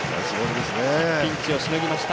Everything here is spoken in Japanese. ピンチをしのぎました。